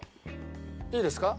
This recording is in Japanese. いいですか？